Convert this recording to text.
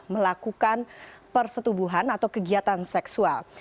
melakukan persetubuhan atau kegiatan seksual